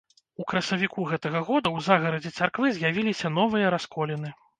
У красавіку гэтага года ў загарадзі царквы з'явіліся новыя расколіны.